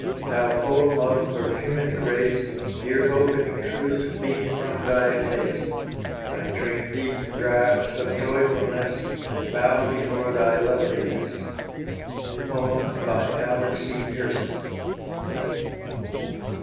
Thou poem of perfumed grace, Dear hope and truth beam from thy face. I drink deep draughts of joyfulness, And bow before thy loveliness. _Albert C. Pearson.